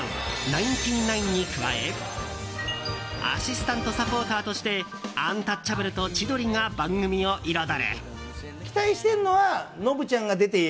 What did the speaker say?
ナインティナインに加えアシスタントサポーターとしてアンタッチャブルと千鳥が番組を彩る。